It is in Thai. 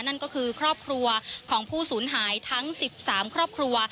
นั่นก็คือครอบครัวของผู้สูญหายทั้ง๑๓ครอบครัว